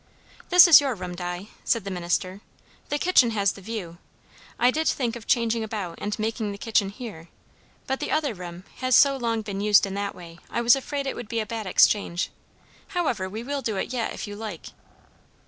"This is your room, Di," said the minister. "The kitchen has the view: I did think of changing about and making the kitchen here: but the other room has so long been used in that way, I was afraid it would be a bad exchange. However, we will do it yet, if you like."